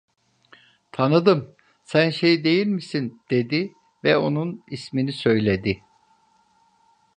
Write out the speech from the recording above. "Tanıdım, sen şey değil misin?" dedi ve onun ismini söyledi.